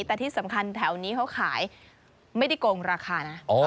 แต่ที่สำคัญแถวนี้เขาขายไม่ได้โกงราคานะ